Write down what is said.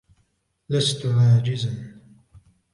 لستُ عاجزا.